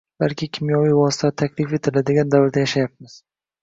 balki kimyoviy vositalar taklif etiladigan davrda yashayapmiz.